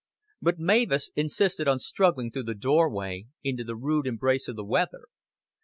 But Mavis insisted on struggling through the doorway, into the rude embrace of the weather.